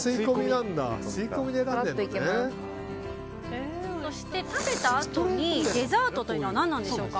そして、食べたあとデザートというのは何でしょうか。